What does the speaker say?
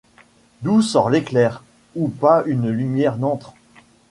D'où sort l'éclair, où pas une lumière n'entre